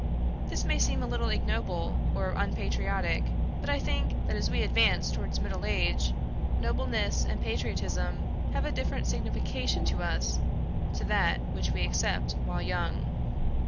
This may seem a little ignoble and unpatriotic; but I think that as we advance towards middle age, nobleness and patriotism have a different signification to us to that which we accept while young."